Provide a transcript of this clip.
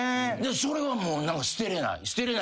それはもう捨てれない。